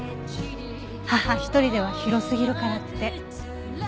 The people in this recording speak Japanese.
母一人では広すぎるからって。